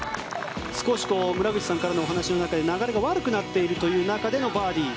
少し村口さんからのお話の中で流れが悪くなっているという中でのバーディー。